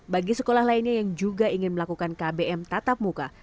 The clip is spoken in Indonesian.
bagi sekolah lainnya yang juga ingin melakukan kbm tatap muka